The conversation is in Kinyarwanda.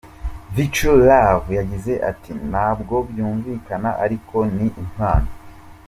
Vichou Love yagize ati “Ntabwo byumvikana ariko ni impamo.